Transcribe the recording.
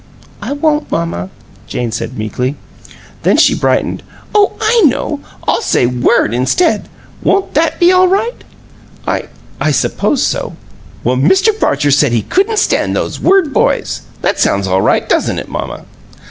"I won't, mamma," Jane said, meekly. Then she brightened. "Oh, I know! I'll say 'word' instead. Won't that be all right?" "I I suppose so." "Well, Mr. Parcher said he couldn't stand those word boys. That sounds all right, doesn't it, mamma?"